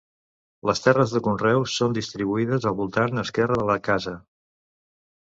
Les terres de conreu són distribuïdes al voltant esquerre de la casa.